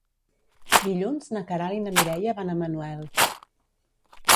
Dilluns na Queralt i na Mireia van a Manuel.